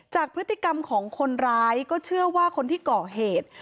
จากพฤติกรรมของคนร้ายก็เชื่อว่าคนที่ก่อเหตุ